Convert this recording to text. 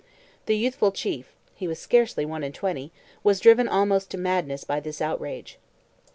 The youthful chief—he was scarcely one and twenty—was driven almost to madness by this outrage.